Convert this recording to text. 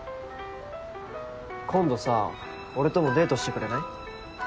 今度さ俺ともデートしてくれない？